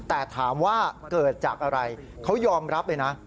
แต่ถามว่าเกิดจากอะไรเขายอมรับเลยนะ